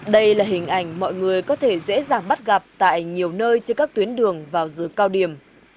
đây là hình ảnh mọi người có thể dễ dàng bắt gặp tại nhiều nơi trên các tuyến đường vào giữa cao điểm